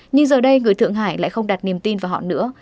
nhưng giờ đây người thượng hải lại không đặt niềm tin vào họ nữa